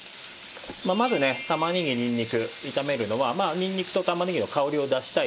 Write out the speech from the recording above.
まあまずね玉ねぎにんにく炒めるのはまあにんにくと玉ねぎの香りを出したいというのとですね